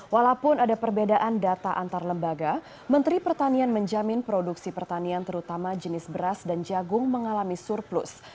walaupun ada perbedaan data antar lembaga menteri pertanian menjamin produksi pertanian terutama jenis beras dan jagung mengalami surplus